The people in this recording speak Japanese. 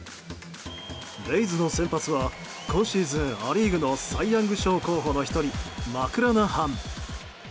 レイズの先発は今シーズンア・リーグのサイ・ヤング賞候補の１人マクラナハン。